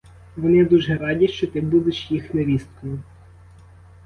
Вони дуже раді, що ти будеш їх невісткою.